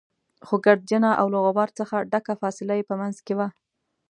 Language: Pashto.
خو ګردجنه او له غبار څخه ډکه فاصله يې په منځ کې وه.